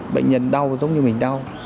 bệnh nhân đau giống như mình đau